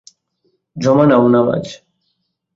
জমা নাও নামাজ।